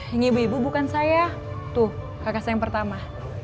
ini ibu ibu bukan saya tuh kakak saya yang pertama